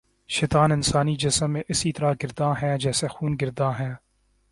شیطان انسانی جسم میں اسی طرح گرداں ہے جیسے خون گرداں ہے